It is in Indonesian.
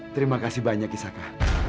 terima kasih banyak isaka